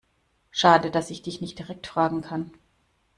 Schade, dass ich dich nicht direkt fragen kann.